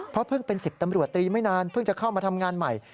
เพราะเพิ่งเป็น๑๐ตำรวจตรีไม่นานเพิ่งจะเข้ามาทำงานใหม่